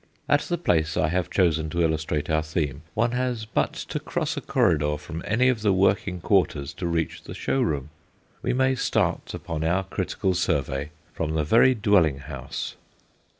At the place I have chosen to illustrate our theme, one has but to cross a corridor from any of the working quarters to reach the showroom. We may start upon our critical survey from the very dwelling house.